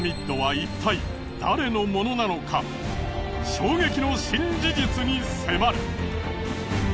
衝撃の新事実に迫る。